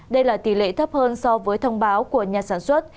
đây là tỷ lệ thấp hơn so với thông báo của nhà sản xuất